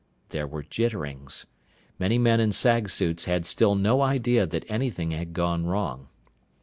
There were jitterings. Many men in sag suits had still no idea that anything had gone wrong.